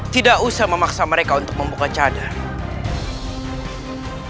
tidak usah memaksa mereka untuk membuka cadar